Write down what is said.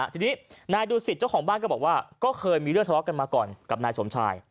ทีนี้นายดูสิตเจ้าของบ้านก็บอกว่าก็เคยมีเรื่องทะเลาะกันมาก่อนกับนายสมชาย